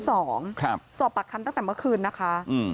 สอบปากคำตั้งแต่เมื่อคืนนะคะ